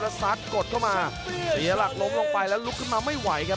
ซัดกดเข้ามาเสียหลักล้มลงไปแล้วลุกขึ้นมาไม่ไหวครับ